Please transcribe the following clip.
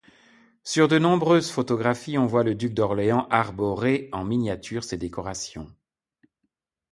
Sur de nombreuses photographies, on voit le duc d'Orléans arborer en miniature ces décorations.